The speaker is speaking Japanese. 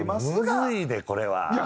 むずいでこれは。